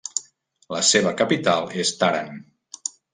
La seva capital és Tàrent.